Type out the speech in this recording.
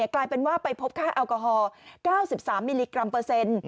กลายเป็นว่าไปพบค่าแอลกอฮอล๙๓มิลลิกรัมเปอร์เซ็นต์